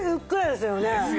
ですよね。